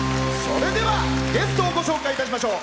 それではゲストをご紹介いたしましょう。